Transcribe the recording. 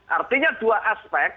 artinya dua aspek